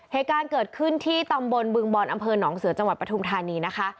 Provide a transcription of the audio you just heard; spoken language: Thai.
เหตุการณ์เกิดขึ้นที่ตำบลบึงบอลอำเภอหนองเสือจังหวัดปทุมธานีนะคะ